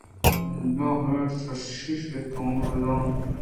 رَندا ہمے حشیشی توم رُدان